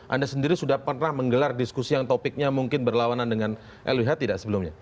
anda sendiri sudah pernah menggelar diskusi yang topiknya mungkin berlawanan dengan lh tidak sebelumnya